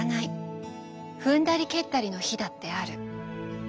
踏んだり蹴ったりの日だってある。